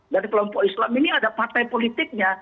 dari kelompok islam ini ada partai politiknya